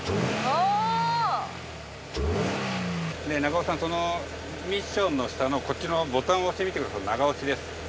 で中尾さんそのミッションの下のこっちのボタンを押してみてください長押しです。